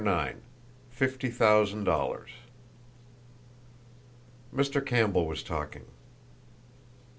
IX FIFTY THOUSAND DOLLARS Mr. Campbell was talking.